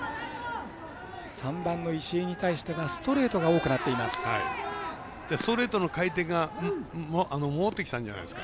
３番の石井に対してはストレートが多くなっています。